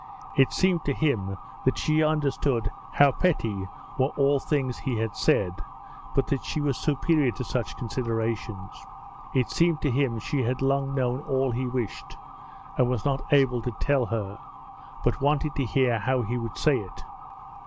It seemed to him that she understood how petty were all things he had said, but that she was superior to such considerations. It seemed to him she had long known all he wished and was not able to tell her, but wanted to hear how he would say it.